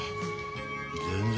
全然。